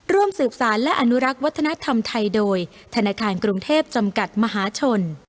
ร่วมสืบสารและอนุรักษ์วัฒนธรรมไทยโดยธนาคารกรุงเทพจำกัดมหาชน